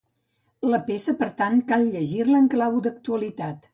La peça, per tant, cal llegir-la en clau d'actualitat.